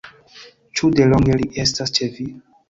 Ĉu de longe li estas ĉe vi?